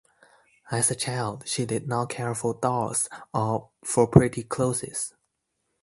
As a child she did not care for dolls or for pretty clothes.